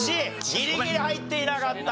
ギリギリ入っていなかった。